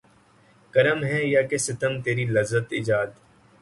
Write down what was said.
کرم ہے یا کہ ستم تیری لذت ایجاد